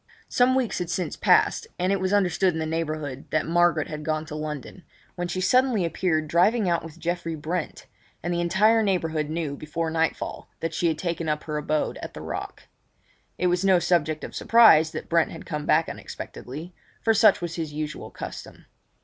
Some weeks had since passed; and it was understood in the neighbourhood that Margaret had gone to London, when she suddenly appeared driving out with Geoffrey Brent, and the entire neighbourhood knew before nightfall that she had taken up her abode at the Rock. It was no subject of surprise that Brent had come back unexpectedly, for such was his usual custom.